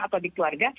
atau di keluarga